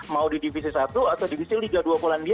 mau di divisi satu atau divisi liga dua polandia